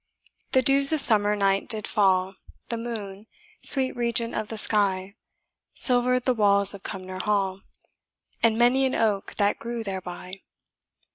The dews of summer night did fall, The moon, sweet regent of the sky, Silver'd the walls of Cumnor Hall, And many an oak that grew thereby.